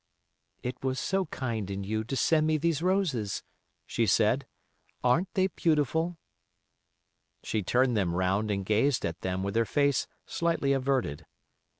"It was so kind in you to send me these roses," she said. "Aren't they beautiful?" She turned them round and gazed at them with her face slightly averted.